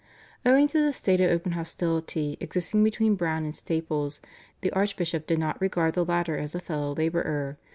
Owing to the state of open hostility existing between Browne and Staples the archbishop did not regard the latter as a fellow labourer.